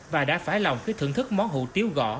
và đã phải lòng khi thưởng thức món hủ tiếu gõ